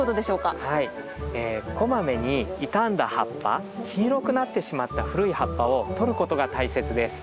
こまめに傷んだ葉っぱ黄色くなってしまった古い葉っぱをとることが大切です。